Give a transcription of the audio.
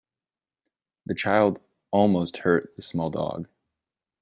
The child almost hurt the small dog.